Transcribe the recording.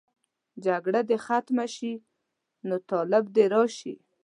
جګړه دې ختمه شي، نو طالب دې راشي.